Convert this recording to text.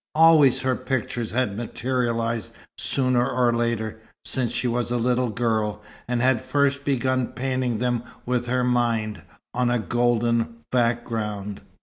Always her pictures had materialized sooner or later, since she was a little girl, and had first begun painting them with her mind, on a golden background.